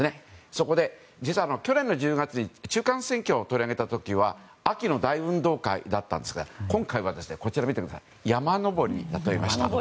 そこで、去年の１０月に中間選挙を取り上げた時は秋の大運動会だったんですが今回は、山登りに例えました。